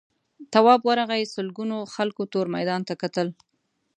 تواب ورغی سلگونو خلکو تور میدان ته کتل.